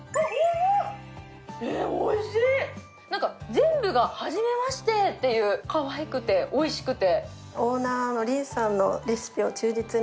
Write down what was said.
全部が初めましてという、かわいくて、おいしくて。